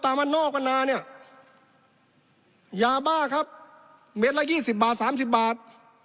วันนอกวันนาเนี่ยยาบ้าครับเม็ดละยี่สิบบาทสามสิบบาท